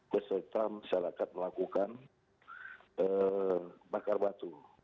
beserta masyarakat melakukan bakar batu